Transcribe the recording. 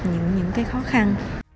những cái khó khăn